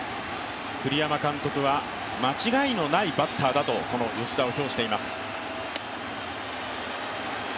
栗山監督は間違いのないバッターだとこの吉田を評しています。